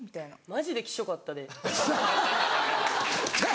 マジでキショかったで。